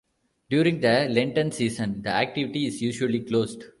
During the Lenten season the activity is usually closed.